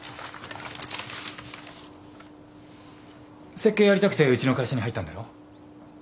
設計やりたくてうちの会社に入ったんだろ？